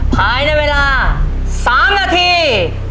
ภายในเวลา๓นาที